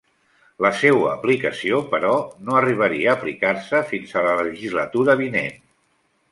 La seua aplicació, però, no arribaria a aplicar-se fins a la legislatura vinent.